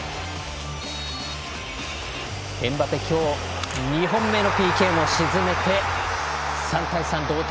エムバペ、今日２本目のＰＫも沈めて３対３、同点。